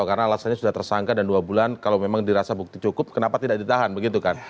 karena alasannya sudah tersangka dan dua bulan kalau memang dirasa bukti cukup kenapa tidak ditahan begitu kan